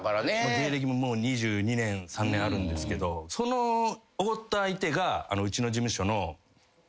芸歴ももう２２年２３年あるんですけどそのおごった相手がうちの事務所の去年。